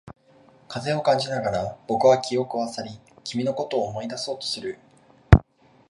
風を感じながら、僕は記憶を漁り、君のことを思い出そうとする。